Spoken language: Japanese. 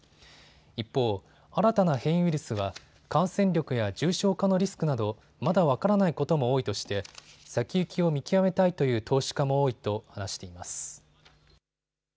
一方、新たな変異ウイルスは感染力や重症化のリスクなどまだ分からないことも多いとして先行きを見極めたいという投資家も多いと話しています。